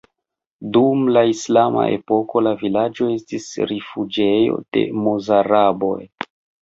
Dum la islama epoko la vilaĝo estis rifuĝejo de mozaraboj.